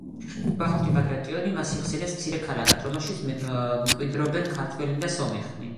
ვახუშტი ბაგრატიონი მას იხსენიებს „მცირე ქალაქად“, რომელშიც „მკვიდრობენ ქართველნი და სომეხნი“.